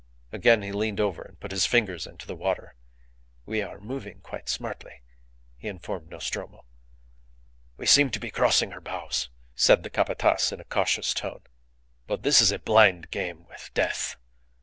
Again he leaned over and put his fingers into the water. "We are moving quite smartly," he informed Nostromo. "We seem to be crossing her bows," said the Capataz in a cautious tone. "But this is a blind game with death.